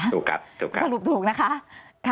ถูกครับถูกครับสรุปถูกนะคะ